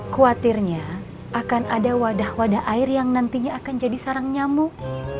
khawatirnya akan ada wadah wadah air yang nantinya akan jadi sarang nyamuk